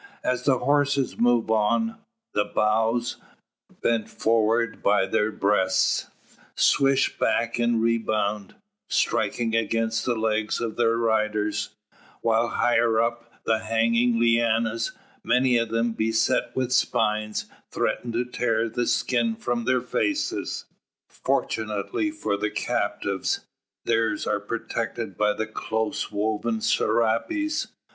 As the horses move on, the boughs, bent forward by their breasts, swish back in rebound, striking against the legs of their riders; while higher up the hanging llianas, many of them beset with spines, threaten to tear the skin from their faces. Fortunately for the captives, theirs are protected by the close woven serapes.